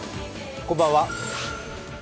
こんばんは。